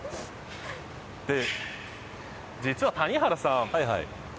実は、谷原さん